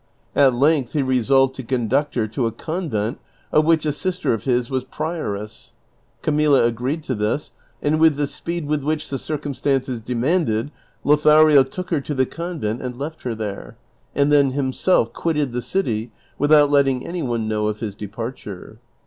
At length he resolved to conduct her to a convent of which a sister of his was prioress ; Camilla agreed to this, and with the speed which the circumstances demanded, Lothario took her to the convent and left her there, and tlien himself (juitted the city without letting any one know of his dejiarture.